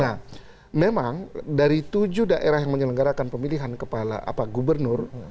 nah memang dari tujuh daerah yang menyelenggarakan pemilihan kepala gubernur